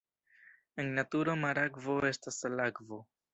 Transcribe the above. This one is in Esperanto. En naturo marakvo estas salakvo.